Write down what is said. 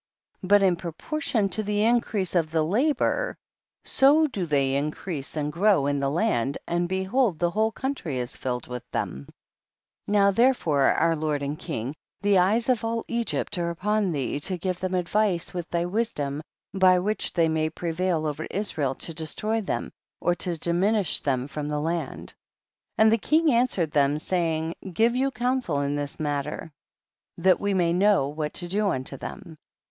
13. But in proportion to the in crease of the labor so do tliey in crease and grow in the land, and be hold the whole country is filled with them. 14. Now therefore our lord and king, the eyes of all Egypt are up on thee to give them advice with thy wisdom, by which they may prevail over Israel to destroy them, or to diminish them from the land ; and the king answered them, saying, give you counsel in this mattter that we may know what to do unto them, 15.